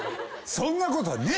そんなことねえ！